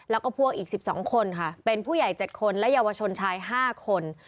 แล้วก็พวกอีก๑๒คนค่ะเป็นผู้ใหญ่๗คนและเยาวชนชาย๕คน